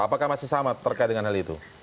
apakah masih sama terkait dengan hal itu